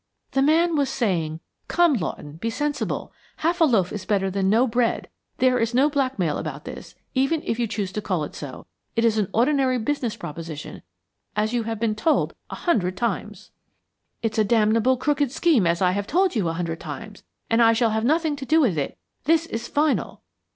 "The man was saying: 'Come, Lawton, be sensible; half a loaf is better than no bread. There is no blackmail about this, even if you choose to call it so. It is an ordinary business proposition, as you have been told a hundred times!'" "'It's a damnable crooked scheme, as I have told you a hundred times, and I shall have nothing to do with it! This is final!'